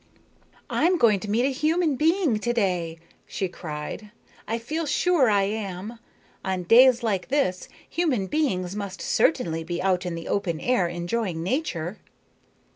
"I am going to meet a human being to day," she cried. "I feel sure I am. On days like this human beings must certainly be out in the open air enjoying nature."